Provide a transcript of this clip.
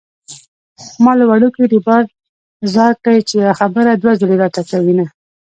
ما له وړوکي ريبار ځار کړې چې يوه خبره دوه ځلې راته کوينه